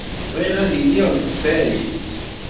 Bɣiɣ ad iliɣ deg Paris.